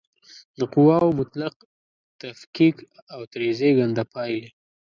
د قواوو مطلق تفکیک او ترې زېږنده پایلې